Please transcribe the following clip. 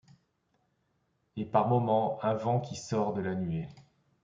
Et par moments un vent qui sort de la nuée